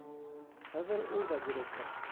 Хәҙер ул да директор.